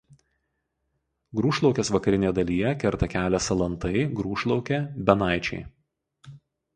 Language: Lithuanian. Grūšlaukės vakarinėje dalyje kerta kelią Salantai–Grūšlaukė–Benaičiai.